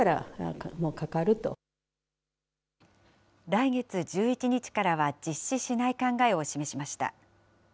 来月１１日からは実施しない考えを示しました。